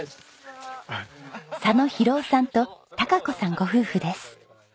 佐野洋夫さんと隆子さんご夫婦です。